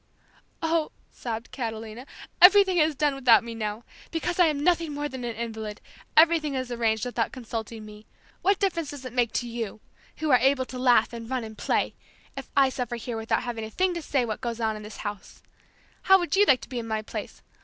"Oh," sobbed Catalina, "everything is done without me now! Because I am nothing more than an invalid, everything is arranged without consulting me! What difference does it make to you who are able to laugh and run and play if I suffer here without having a thing to say about what goes on in the house! How would you like to be in my place?